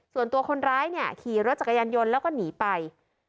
ส่วนตัวคนร้ายเนี่ยขี่รถจักรยานยนต์แล้วก็หนีไป